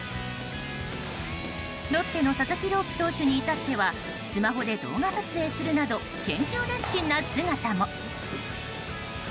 ロッテの佐々木朗希投手に至ってはスマホで動画撮影するなど研究熱心な姿も。